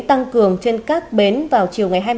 tăng cường trên các bến vào chiều ngày hai mươi